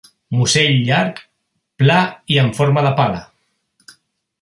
Musell llarg, pla i en forma de pala.